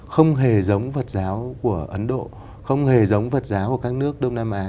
không hề giống phật giáo của ấn độ không hề giống phật giáo của các nước đông nam á